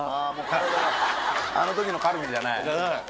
あの時のカルビじゃない？じゃない。